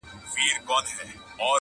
چي د چا له کوره وزمه محشر سم-